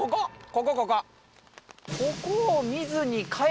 ここここ！